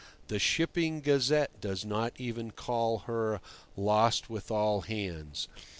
The Shipping Gazette does not even call her "lost with all hands."